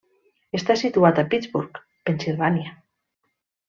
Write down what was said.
Està situat a Pittsburgh, Pennsilvània.